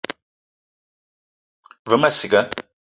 Ve ma ciga